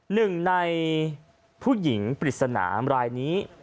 หนึ่งในผู้หญิงปริศนารายนี้